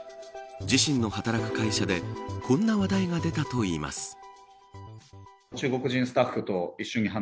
自身の働く会社でこんな話題が出たといいます。